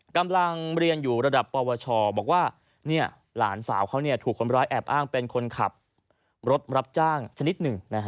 กำลังเรียนอยู่ระดับปวชบอกว่าหลานสาวเขาถูกคนร้ายแอบอ้างเป็นคนขับรถรับจ้างชนิดหนึ่ง